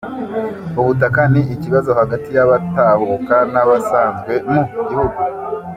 Ubutaka ni ikibazo hagati y’abatahuka n’abasanzwe mu gihugu